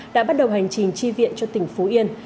đã bắt đầu hành trình chi viện cho tỉnh phú yên